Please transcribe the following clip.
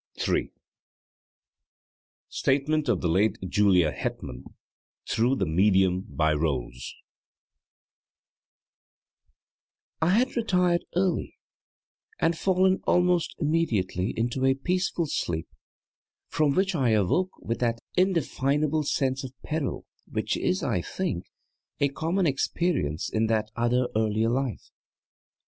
3. Statement of the Late Julia Hetman, through the Medium BayrollesI had retired early and fallen almost immediately into a peaceful sleep, from which I awoke with that indefinable sense of peril which is, I think, a common experience in that other, earlier life.